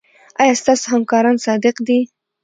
ایا ستاسو همکاران صادق دي؟